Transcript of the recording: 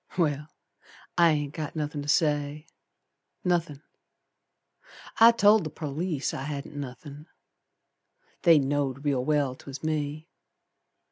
Well! I ain't got nothin' to say. Nothin'! I told the perlice I hadn't nothin'. They know'd real well 'twas me.